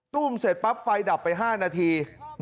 ตุ้มเสร็จปั๊บไฟดับไป๕นาที